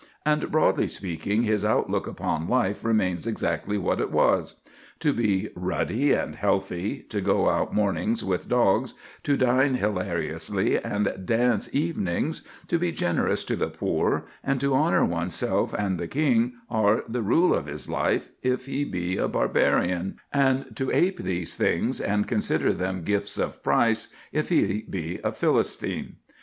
And, broadly speaking, his outlook upon life remains exactly what it was. To be ruddy and healthy, to go out mornings with dogs, to dine hilariously and dance evenings, to be generous to the poor, and to honour oneself and the King are the rule of his life if he be a Barbarian; and to ape these things and consider them gifts of price, if he be a Philistine.